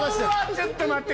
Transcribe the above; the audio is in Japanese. ちょっと待って。